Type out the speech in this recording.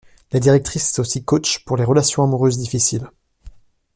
La directrice est aussi coach pour les relations amoureuses difficiles.